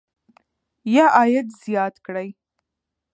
یا عاید زیات کړئ.